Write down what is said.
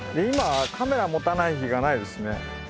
今はカメラ持たない日がないですね。